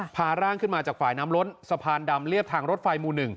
พาร่างขึ้นมาจากฝ่ายน้ำล้นสะพานดำเรียบทางรถไฟหมู่๑